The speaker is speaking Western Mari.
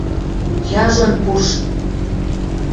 – Яжон пуш.